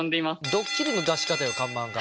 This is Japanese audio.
ドッキリの出し方よ看板が。